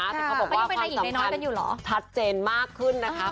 ก็พูดว่าความสำคัญถัดเจนมากขึ้นนะคะ